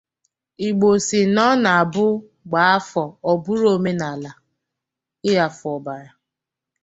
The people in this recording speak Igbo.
Igbo sị na ọ na-abụ gbaa afọ ọ bụrụ omenala! Ịghafu ọbara